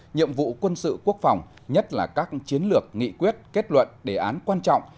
nhiệm vụ quân sự quốc phòng nhất là các chiến lược nghị quyết kết luận đề án quan trọng